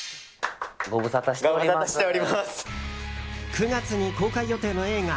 ９月に公開予定の映画